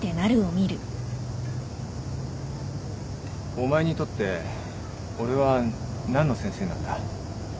お前にとって俺は何の先生なんだ？